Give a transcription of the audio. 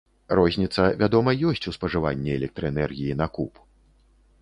Розніца, вядома, ёсць у спажыванні электраэнергіі на куб.